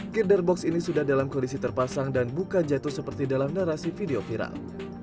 kirder box ini sudah dalam kondisi terpasang dan bukan jatuh seperti dalam narasi video viral